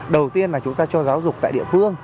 đầu tiên là chúng ta cho giáo dục tại địa phương